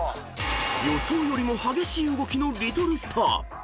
［予想よりも激しい動きのリトルスター］